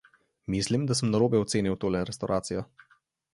Mislim, da sem narobe ocenil tole restavracijo.